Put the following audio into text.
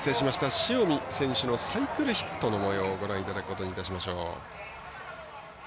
塩見選手のサイクルヒットのもようをご覧いただくことにいたしましょう。